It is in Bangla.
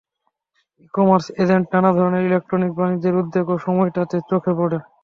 ই কমার্স এজেন্টনানা ধরনের ইলেকট্রনিক বাণিজ্যের উদ্যোগ এ সময়টাতে চোখে পড়ে।